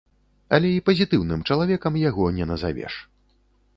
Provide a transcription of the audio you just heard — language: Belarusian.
Але і пазітыўным чалавекам яго не назавеш.